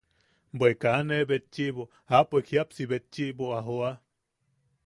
Bwe kaa ne betchiʼibo, apoik jiʼapsi betchiʼibo a joa.